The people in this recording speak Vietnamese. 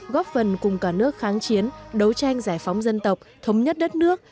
góp phần cùng cả nước kháng chiến đấu tranh giải phóng dân tộc thống nhất đất nước